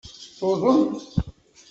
Tuḍen.